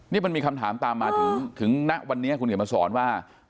นี่มันมีคำถามตามมาถึงณวันนี้คุณเขียนมาสอนว่า